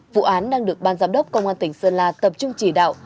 vụ án đang được ban giám đốc công an tỉnh sơn la tập trung chỉ đạo